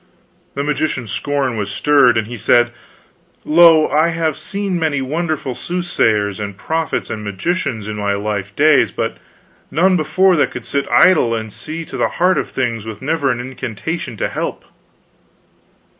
The magician's scorn was stirred, and he said: "Lo, I have seen many wonderful soothsayers and prophets and magicians in my life days, but none before that could sit idle and see to the heart of things with never an incantation to help."